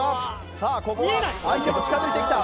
さあここは相手も近づいてきた。